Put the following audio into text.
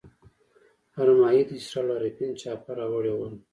ارمایي د اسرار العارفین چاپه راوړي ول.